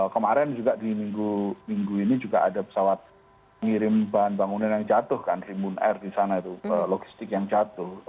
kemarin juga di minggu minggu ini juga ada pesawat ngirim bahan bangunan yang jatuh kan rimbun air di sana itu logistik yang jatuh